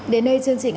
đến đây chương trình